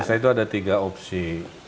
saya itu ada tiga opsi